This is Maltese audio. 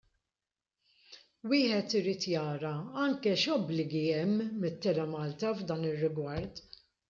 Wieħed irid jara anke x'obbligi hemm mit-Telemalta f'dan ir-rigward.